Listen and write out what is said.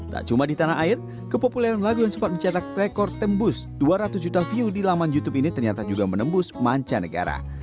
tak cuma di tanah air kepopuleran lagu yang sempat mencetak rekor tembus dua ratus juta view di laman youtube ini ternyata juga menembus manca negara